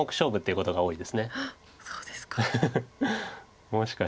そうですか。